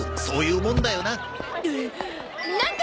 そいうもんだよな。